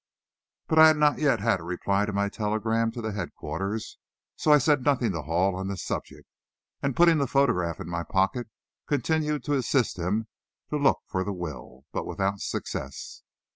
But I had not yet had a reply to my telegram to headquarters, so I said nothing to Hall on this subject, and putting the photograph in my pocket continued to assist him to look for the will, but without success.